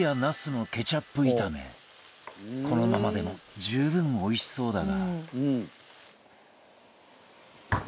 このままでも十分おいしそうだが